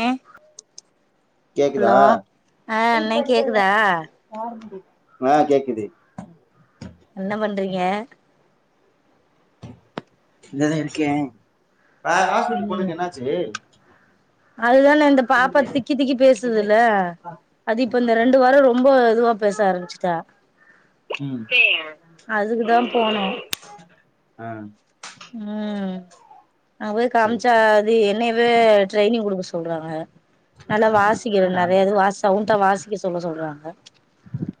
ஏ hello கேக்குதா ஆ அண்ணே கேக்குதா ஆ கேக்குது என்ன பண்றீங்க இங்கதே இருக்கே வேற ஹாஸ்பிட்டல் போனதுக்கு என்னாச்சு அதுதாணே இந்த பாப்பா திக்கி திக்கி பேசுதுல அது இப்ப இந்த ரெண்டு வாரோ ரொம்ப இதுவா பேச ஆரம்பிச்சுட்டா ம் அதுகுதான் போனே ஆ உம் அங்க போய் சேரி காம்ச்சா சேரி அது என்னயவே ட்ரைனிங் குடுக்க சொ சொல்றாங்க நல்லா ஆ வாசிக்க ஏ விட்னும் நானு நெறைய இது வாஸ் சவுண்டா வாசிக்க சொல்ல சொல்றாங்க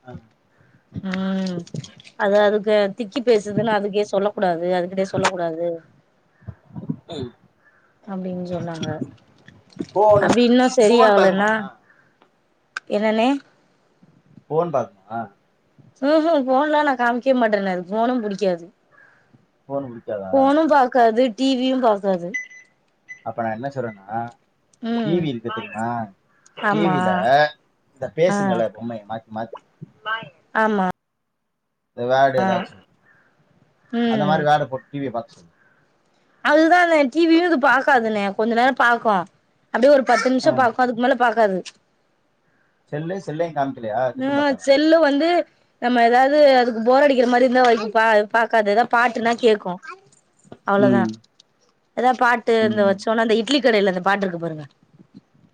ஆ ஆ உம் அது அது அ திக்கி பேசுதுன்னு அதுக்கே சொல்லக் கூடாது சொல்ல கூடாது அப்டின் சொன்னாங்க ஃபோனு அப்டி இன்னும் ஃபோன் பாக்குமா சரியாகலன்னா என்னணே ஃபோன் பாக்குமா ம்ஹும் ஃபோன்லா நா காமிக்வே மாட்டனே அதுக்கு ஃபோனு புடிக்காது ஃபோன் புடிக்காதா ஃபோனும் பாக்காது டி வியு பாக்காது அப்ப நா என்ன சொல்றேனா டி ம் வி இருக்கு தெரியுமா டி ஆமா வில இந்த ஆ பேசுங்கள பொம்மய மாத்தி மாத் ஆமா வேடு ஏதாச்சு அந்த மாரி வேட போட் டி விய பாக்க சொல்லு அதுதாணே டி வியு இது பாக்காதுணே கொஞ்ச நேர பாக்கு அப்டியே ஒரு பத்து ஆ நிமிஷ பாக்கு அதுக்கு மேல பாக் காது செல்லு செல்லயு காமி ஆ செல்லு வந்து நம்ம ஏதாவது போர் அடிக்குற மாரி இருந்தா பா பா பாக்காது பாட்டுனா கேக்கு அவ்ளோதா ம் எதாது பாட்டு இந்த ம் வச்சோன்னா இந்த இ இட்லிக்கடையில அந்த பாட்டு இருக்கு பாருங்க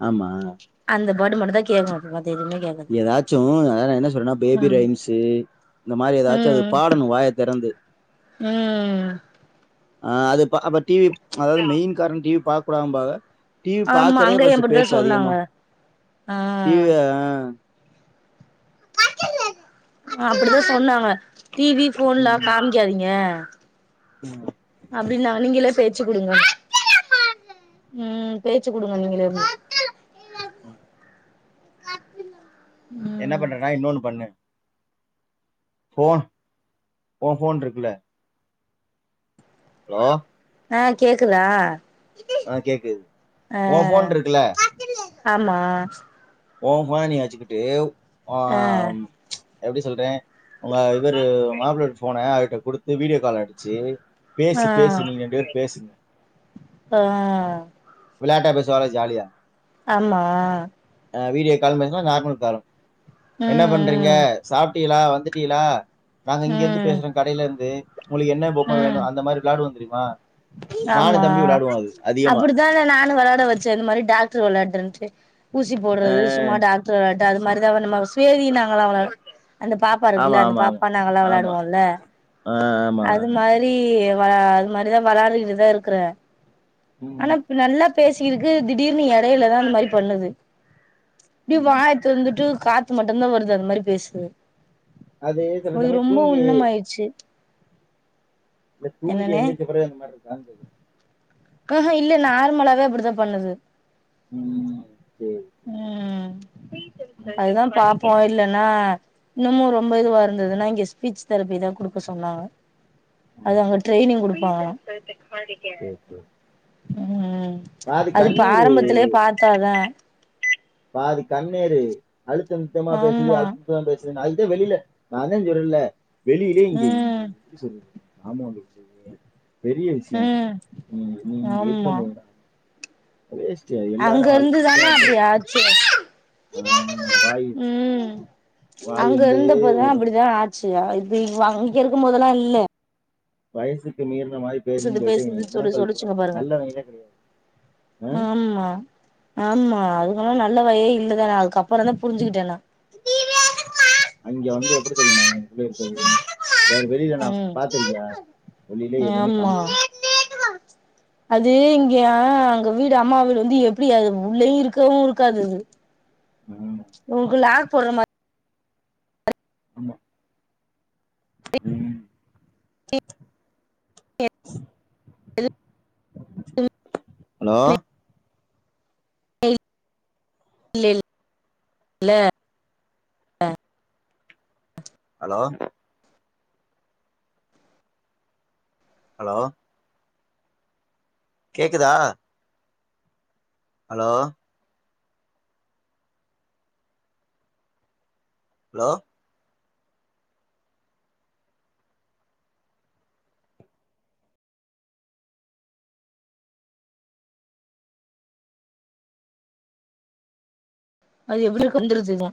ஆமா இந்த பாட்டு மட்டு தா கேக்கு [unintelligible] கேக்காது ஏதாச்சு அதாவ நா என்ன சொல்றன்னா பேபி ம் ரைம்ஸு இந்த மாரி ஏதாச்சு அது ம் பாடணு வாய தொறந்து ம் ஆ அதுப்ப அப்ப டிவி அதாவது மெயின் காரன டிவி பாக் புடாம்பாக டிவி ஆமா பாக்குறே அங்கயு ஃபஸ்ட் அப்டிதா பேச்சு அதிகமா சொன்னாங்க ஆ டிவி ஆ அப்டிதா சொன்னாங்க டிவி ஃபோன்லா ம் காமிக்காதீங்க ம் அப்டிநாங்க நீங்கலே பேச் ச்சி குடுங்க ம் பேச்சு குடுங்க நீங்களே அப்டினு ம் என்ன ம் பண்றனா இன்னொன்னு பண்ணு ஃபோன் ஒ ஃபோன் இருக்குல ஹலோ ஆ கேக்குதா ஆ கேக்குது ஆ உ ஃபோன் இருக்குல ஆமா உ ஃபோன நீ வெச்சிகிட்டு ஒ ஆ ம் எப்டி சொல்றே உங்க இவரு மாப்ளயோட ஃபோன அது ட குடுத்து வீடி யோ கால் அடிச்சி ஆ பேசு பேசு நீங்க ரெண்டு பேரு பேசுங்க ஆ வெளையாட்டா பேசுவாங்க ஜாலியா ஆமா ஆ வீடியோ காலு பேசலா நார்மல் காலு ம் என்ன பண்றிங்க சாப்ட்டிகளா வந்துட் டிகளா நாங்க இங்கிருந்து ம் பேசறோ கடைல இருந்து உங்களுக்கு என்ன பொம்ம வேணு அந்த மாரி விளாடுவோ தெரி அ ஆம்மா அதிகமா அப்புடி த்த அத நானு வெளாட வெச்சே இந்த மாரி டாக்ட்ரு வெளாடுன்ட்டு ஊசி அ போட்றது சும்மா டாக்ட்ர வ ட்ட அது மாரிதா அவ நம்மவ் சேரின்னாங்கலா அவள அந்த பாப்பா ஆமா இருக்குல்ல அந்த ஆமா ஆமா பாப்பா நாங்கல்லா ஆமா வெளயாடுவோல்ல ஆ ஆமா அது மாரி வ அது மார் ரிதா வெளாடிகிட்டு தா இருக்குறே ம் அனா இப் நல்லாத் பேசிகிருக்கு திடீர்னு எடையில தா அந்த மாரி பண்ணுது ப்டு ம் வாய தொறந்துட்டு காத்து மட்டுந்தா வருது அது மாரி பேசுது சில அது சமயோ ரொம்ப தூங்கி உண்ணமாயிர்ச்சு இல்ல தூங்கி எந்திரிச்ச பிறகு அந்த மார்ருக்கான் கேக்ற கஹ இல்ல நார்மலாவே அப்புடிதா பண்ணுது ம் சேரி சேரி ம் ம் அதுதா பாப்போ இல்லன்னா இன்னுமு ரொம்ப இதுவா இருந்துதுனா இங்க ஸ்பீச் தெரப்பி தா குடுக்க சொன்னாங்க அது அங்க ட்ரெய்னிங் குடு பாங்களா சேரி சேரி [unintelligible] அது இப்ப ஆரம்பத்தலியே பாத்தாதா பாதி கண்ணேரு அழுத்த நித்தமா பேசுது ஆமா அத்தா பேசுது அதுக்குத்தா வெளில நாந்தாஞ் சொருவில்ல வெளியிலே இங்கே இந்த ம் எப்டி சொல்றது நாமு வந்து இப்டி பெரிய விஷ்யோ அது ம் நீ நீ இங்க ஆமா இருக்கம் மோதுதா அங்க இருந்துதானே நித்தமா அப்பிடி பே- ஆச்சு ஆஹ் வாய் ம் வாய் அங்க வந்து இருந்தப்போதா ஒரு அப்பிடிதா ஆச்சு தியா இது இங் வா இங்கிருக்கும் மோதுலா இல்ல வயசுக்கு மீர் ன மாரி பேசுது பேசுனின் சொல்ட்டு இவிங்க பேசுது சொல்லி எண்ணங்கள் புரா சொல்லிச்சுங்க பாருங்க நல்லவங்கிளே கெடையாது அ ஆம்மா அதுக்கல்லா நல்ல வாயே இல்லதான அதுக்கப்றந்தா புரிஞ்சுகிட்டே நா அய்ங்க வந்து எப்புடு தெரியிமா அவிங்க இங் உள்ள இருக்குறது வேற வெளியில நா ம் பாத்துருக்கியா வெளியிலே எதையுமே ஆமா காம் அது இங்க அங்க வீடு அம்மா வீடு வந்து எப்டி அது உள்ளயு இருக்கவு இருக்காது அது ஆஹ் உங்களாக் தொடுறமா அமா ம் [inaudible] ஹலோ [inaudible] ஹலோ ஹலோ கேக்குதா ஹலோ ஹலோ அது எப்டியோ கொறஞ்சுருச்சுன்ன